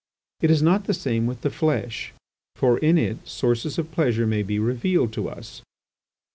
It is not the same with the flesh, for in it sources of pleasure may be revealed to us.